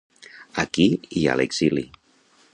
Aquí i a l’exili.